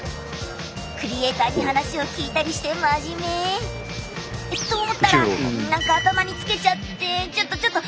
クリエイターに話を聞いたりして真面目。と思ったら何か頭につけちゃってちょっとちょっと！